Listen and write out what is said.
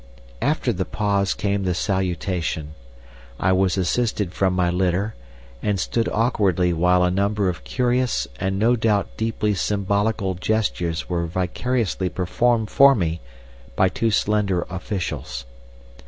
"After the pause came the salutation. I was assisted from my litter, and stood awkwardly while a number of curious and no doubt deeply symbolical gestures were vicariously performed for me by two slender officials.